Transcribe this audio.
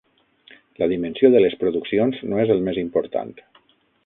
La dimensió de les produccions no és el més important.